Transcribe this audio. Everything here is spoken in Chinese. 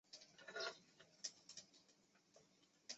毕业于中央党校政治经济学专业。